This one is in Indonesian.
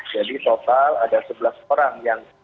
jadi total ada sebelas orang